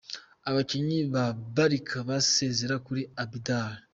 Abakinnyi ba Barca basezera kuri Abidal.